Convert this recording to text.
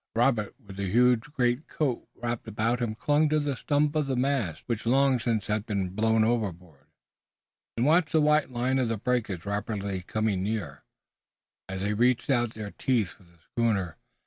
Robert, with the huge greatcoat wrapped about him clung to the stump of the mast, which long since had been blown overboard, and watched the white line of the breakers rapidly coming nearer, as they reached out their teeth for the schooner.